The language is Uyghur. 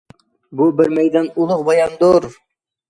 بۇ، بىر مەيدان ئۇلۇغ باياندۇر.